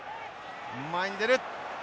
前に出る。